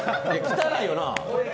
汚いよな。